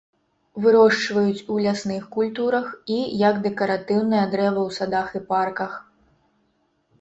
Вырошчваюць у лясных культурах і як дэкаратыўнае дрэва ў садах і парках.